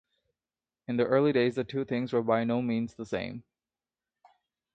In the early days, the two things were by no means the same.